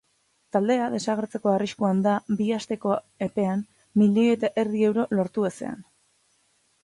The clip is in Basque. Taldea desagertzeko arriskuan da bi asteko apean milioi eta erdi euro lortu ezean.